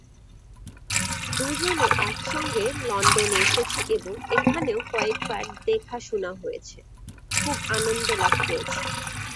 দু-জনে একসঙ্গে লণ্ডনে এসেছি এবং এখানেও কয়েকবার দেখাশুনা হয়েছে, খুব আনন্দলাভ করেছি।